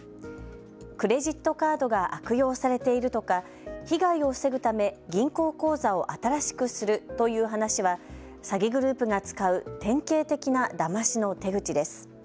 クレジットカードが悪用されているとか被害を防ぐため銀行口座を新しくするという話は詐欺グループが使う典型的なだましの手口です。